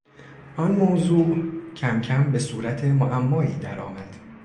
آن موضوع کمکم به صورت معمایی درآمد.